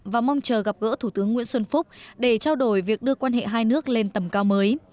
và mong chờ gặp gỡ thủ tướng nguyễn xuân phúc để trao đổi việc đưa quan hệ hai nước lên tầm cao mới